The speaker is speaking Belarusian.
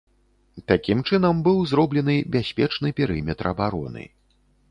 Такім чынам быў зроблены бяспечны перыметр абароны.